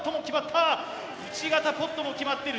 １型ポットも決まっている！